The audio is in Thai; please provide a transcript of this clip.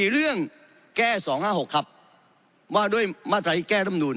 เรื่องแก้๒๕๖ครับว่าด้วยมาตราที่แก้ร่ำนูน